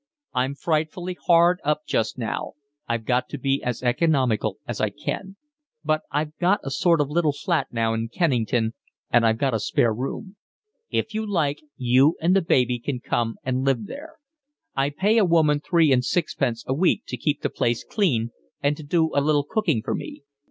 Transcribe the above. I'm frightfully hard up just now, I've got to be as economical as I can; but I've got a sort of little flat now in Kennington and I've got a spare room. If you like you and the baby can come and live there. I pay a woman three and sixpence a week to keep the place clean and to do a little cooking for me.